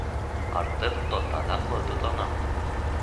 Артыҡ тотанаҡлы тотона.